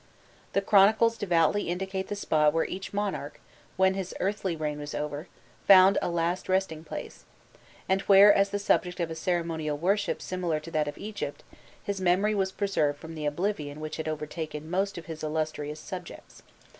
The chronicles devoutly indicate the spot where each monarch, when his earthly reign was over, found a last resting place; and where, as the subject of a ceremonial worship similar to that of Egypt, his memory was preserved from the oblivion which had overtaken most of his illustrious subjects.